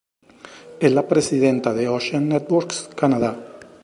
Es la presidenta de Ocean Networks Canada.